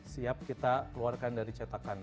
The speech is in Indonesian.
siap kita keluarkan dari cetakan